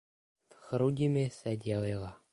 V Chrudimi se dělila.